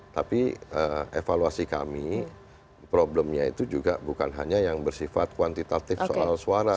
tapi evaluasi kami problemnya itu juga bukan hanya yang bersifat kuantitatif soal suara